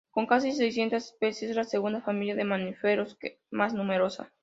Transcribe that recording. Con casi seiscientas especies, es la segunda familia de mamíferos más numerosa.